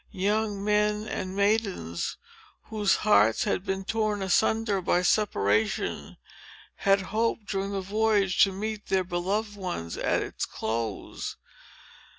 Young men and maidens, whose hearts had been torn asunder by separation, had hoped, during the voyage, to meet their beloved ones at its close.